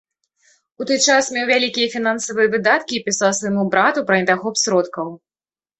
У той час меў вялікія фінансавыя выдаткі і пісаў свайму брату пра недахоп сродкаў.